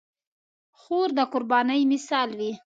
خور د قربانۍ مثال وي.